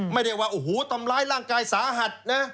ไม่ได้ว่าโอ้โหทำร้ายร่างกายสาหัสนะ